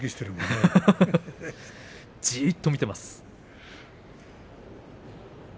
じーっと見てます。